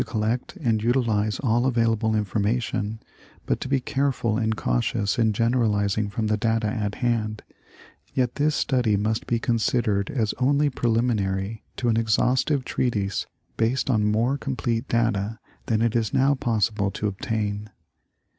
41 collect and utilize all available information, but to be careful and cautious in generalizing from the data at hand, yet this study must be considered as only preliminary to an exhaustive treatise ■ based on more complete data than it is now possible to obtain.